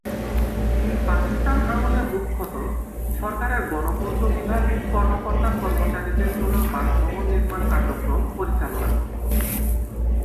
পাকিস্তান আমলে মুখ্যত সরকারের গণপূর্ত বিভাগই কর্মকর্তা-কর্মচারীর জন্য বাসভবন নির্মাণ কার্যক্রম পরিচালনা করত।